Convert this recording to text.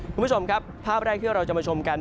คุณผู้ชมครับภาพแรกที่เราจะมาชมกัน